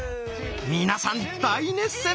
皆さん大熱戦！